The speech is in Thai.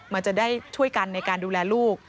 มันจะได้ช่วยกันในการดูแลลูก